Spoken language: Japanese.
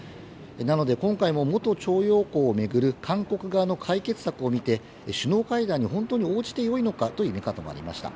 なので、今回も元徴用工を巡る韓国側の解決策を巡って首脳会談に本当に応じていいのかという見方がありました。